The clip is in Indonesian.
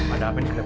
ada apa nih